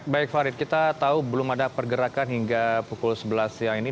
baik farid kita tahu belum ada pergerakan hingga pukul sebelas siang ini